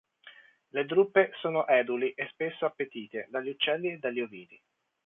Le drupe sono eduli e spesso appetite dagli uccelli e dagli ovini.